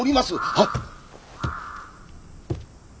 はっ。